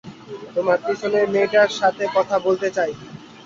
তোমার পিছনের মেয়েটার সাথে কথা বলতে চাই।